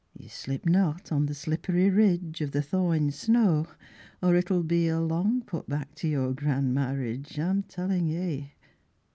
Ye slip not on the slippery ridge Of the thawin' snow, or it'll be A long put back to your gran' marridge, I'm tellin' ye.